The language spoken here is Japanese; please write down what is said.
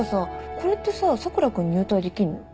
これってさ佐倉君入隊できんの？